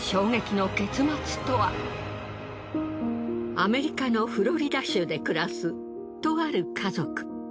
アメリカのフロリダ州で暮らすとある家族。